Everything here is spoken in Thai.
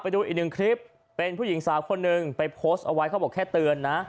ดูอีกหนึ่งคลิปเป็นผู้หญิงสาวคนหนึ่งไปโพสต์เอาไว้เขาบอกแค่เตือนนะ